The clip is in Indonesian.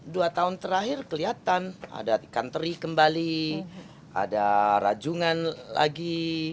dua tahun terakhir kelihatan ada ikan teri kembali ada rajungan lagi